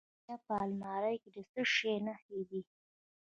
د فاریاب په المار کې د څه شي نښې دي؟